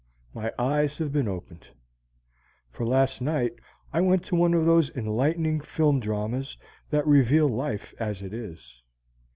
My eyes have been opened. For last night I went to one of those enlightening film dramas that reveal life as it is.